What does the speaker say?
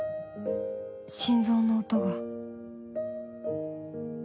心臓の音が